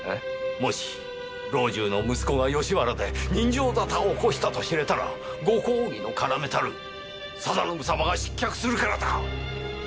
もし老中の息子が吉原で刃傷沙汰を起こしたと知れたらご公儀の要たる定信様が失脚するからだ！